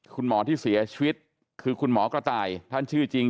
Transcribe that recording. คุณหมอที่เสียชีวิตคือคุณหมอกระต่ายท่านชื่อจริง